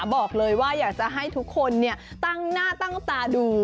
บอกเลยว่าอยากจะให้ทุกคนตั้งหน้าตั้งตาดู